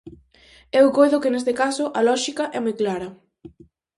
Eu coido que neste caso a lóxica é moi clara.